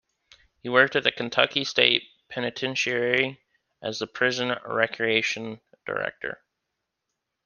He worked at the Kentucky State Penitentiary as the prison recreation director.